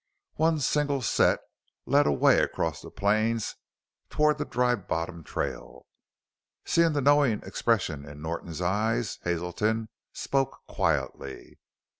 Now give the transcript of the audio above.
One single set led away across the plains toward the Dry Bottom trail. Seeing the knowing expression in Norton's eyes, Hazelton spoke quietly.